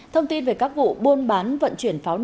thông tin về các vụ buôn bán vận chuyển của liên